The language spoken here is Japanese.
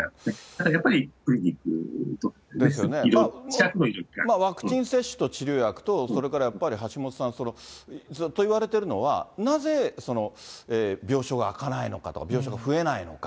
ただやっぱりクリニック、ワクチン接種と治療薬と、それからやっぱり橋下さん、ずっといわれてるのは、なぜその病床が空かないのかとか、病床が増えないのか。